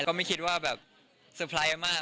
ก็ไม่คิดว่าสุพร้ายมาก